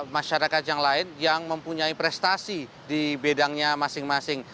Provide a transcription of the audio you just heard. masyarakat yang lain yang mempunyai prestasi di bidangnya masing masing